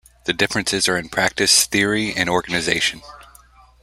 The differences are in practice, theory and organisation.